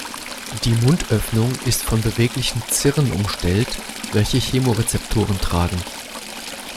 Die Mundöffnung ist von beweglichen Cirren umstellt, welche Chemorezeptoren tragen.